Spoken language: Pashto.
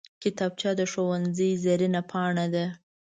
کتابچه د ښوونځي زرینه پاڼه ده